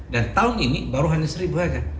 dan tahun ini baru hanya seribu saja